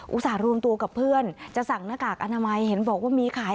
รวมตัวกับเพื่อนจะสั่งหน้ากากอนามัยเห็นบอกว่ามีขาย